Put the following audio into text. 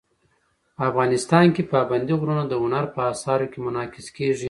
افغانستان کې پابندی غرونه د هنر په اثار کې منعکس کېږي.